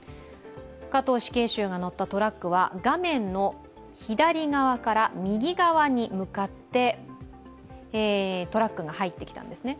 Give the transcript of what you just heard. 加藤死刑囚が乗ったトラックは画面の左側から右側に向かってトラックが入ってきたんですね。